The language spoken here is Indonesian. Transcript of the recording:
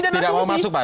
tidak mau masuk pak